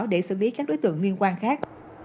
để xử lý các đối tượng nguyên quan khác